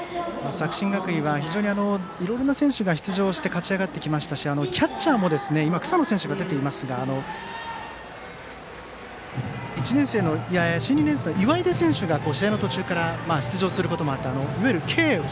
作新学院は、非常にいろいろな選手が出場して勝ち上がってきましたしキャッチャーも、今は草野選手が出ていますが新２年生の岩出選手が試合の途中から出場することもあっていわゆる継捕。